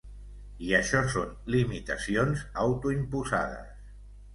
I això són limitacions autoimposades.